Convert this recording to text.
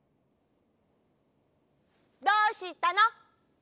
どうしたの？